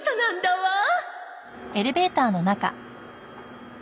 わあ！